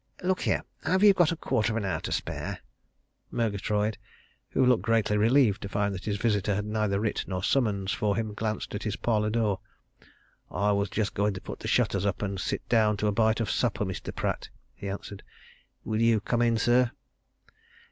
Look here! have you got a quarter of an hour to spare?" Murgatroyd, who looked greatly relieved to find that his visitor had neither writ nor summons for him, glanced at his parlour door. "I was just going to put the shutters up, and sit down to a bite of supper, Mr. Pratt," he answered. "Will you come in, sir?"